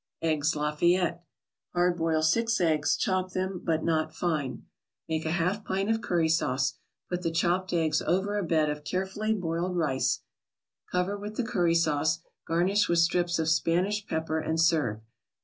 EGGS LAFAYETTE Hard boil six eggs, chop them, but not fine. Make a half pint of curry sauce. Put the chopped eggs over a bed of carefully boiled rice, cover with the curry sauce, garnish with strips of Spanish pepper and serve.